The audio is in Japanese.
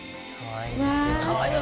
かわいいよね。